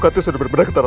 aku hampir sekarat elsa